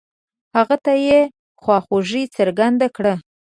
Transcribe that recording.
هغه ته يې خواخوږي څرګنده کړه.